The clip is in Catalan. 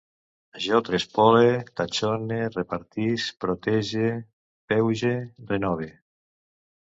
Jo trespole, tatxone, repartisc, portege, peuege, renove